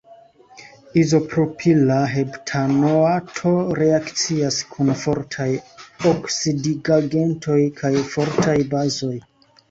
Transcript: Izopropila heptanoato reakcias kun fortaj oksidigagentoj kaj fortaj bazoj.